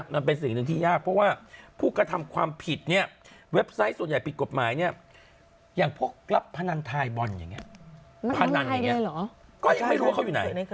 มันทำให้ใครด้วยเหรอก็ยังไม่รู้เขาอยู่ไหน